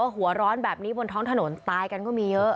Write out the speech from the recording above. หัวร้อนแบบนี้บนท้องถนนตายกันก็มีเยอะ